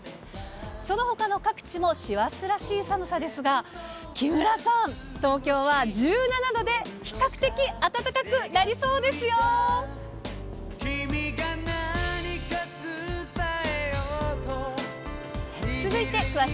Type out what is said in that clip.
そのほかの各地も師走らしい寒さですが、木村さん、東京は１７度で、比較的暖かくなりそうですよ。